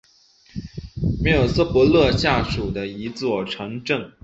米尔斯伯勒下属的一座城镇。